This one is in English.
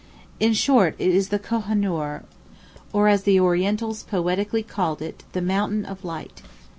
In short, it is the Kohinoor; or, as the Orientals poetically called it, "the mountain of light."